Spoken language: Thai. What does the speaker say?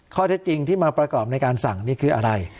ข้อเท็จจริงที่มาประกอบในการสั่งนี่คืออะไร